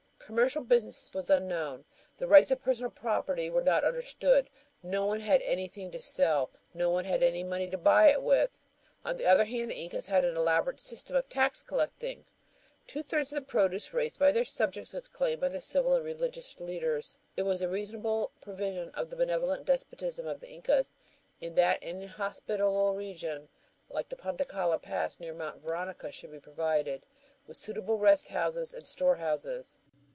Commercial business was unknown. The rights of personal property were not understood. No one had anything to sell; no one had any money to buy it with. On the other hand, the Incas had an elaborate system of tax collecting. Two thirds of the produce raised by their subjects was claimed by the civil and religious rulers. It was a reasonable provision of the benevolent despotism of the Incas that inhospitable regions like the Panticalla Pass near Mt. Veronica should be provided with suitable rest houses and storehouses.